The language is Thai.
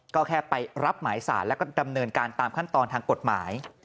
ก็แค่ไปรับหมายสารแล้วก็ดำเนินการตามขั้นตอนทางกฎหมาย